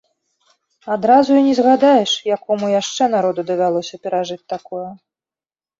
Адразу і не згадаеш, якому яшчэ народу давялося перажыць такое.